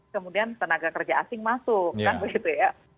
kemudian tenaga kerja asing masuk kan begitu ya